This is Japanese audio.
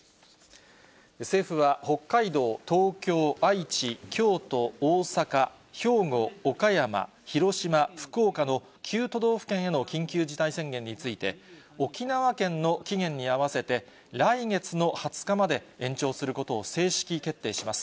政府は北海道、東京、愛知、京都、大阪、兵庫、岡山、広島、福岡の９都道府県への緊急事態宣言について、沖縄県の期限に合わせて、来月の２０日まで延長することを正式決定します。